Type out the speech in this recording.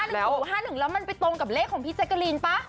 แล้วมันไปตรงกับเลขของพี่แจ๊กกะลีนป่ะ